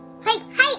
はい！